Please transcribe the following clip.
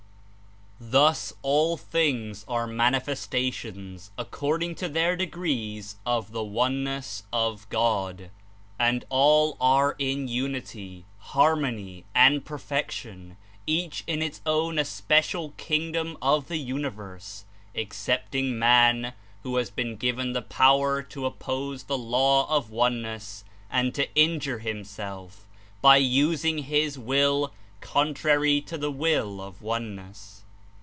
Thus all things are manifestations, according to their degrees, of the Oneness of God, and all are in unity, harmony and perfection, each in its own es pecial kingdom of the universe, excepting man, who has been given the power to oppose the law of one ness and to injure himself by using his will contrary to the Will of Oneness.